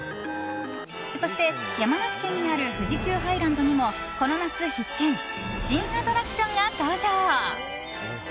そして、山梨県にある富士急ハイランドにもこの夏必見新アトラクションが登場。